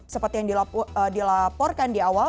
seperti yang dilaporkan di awal